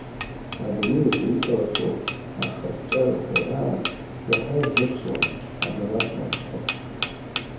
Адунеи аҿы иҟалахьоу ахырҵәарақәа раан иаҳа ирныԥшуан амилаҭ маҷқәа.